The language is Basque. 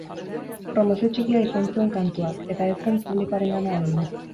Promozio txikia izan zuen kantuak, eta ez zen publikoarengana heldu.